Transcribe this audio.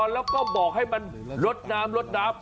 แล้วก็บอกให้มันรดนาม